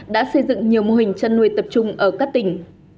đã xây dựng nhiều mô hình chăn nuôi tập trung ở các tỉnh